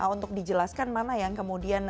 untuk dijelaskan mana yang kemudian